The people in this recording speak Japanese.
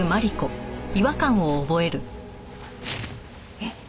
えっ？